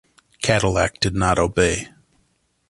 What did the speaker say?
Cadillac did not obey.